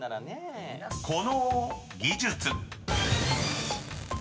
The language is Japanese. ［この技術］